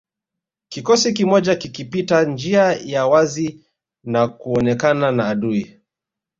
Kikosi kimoja kikipita njia ya wazi na kuonekana na adui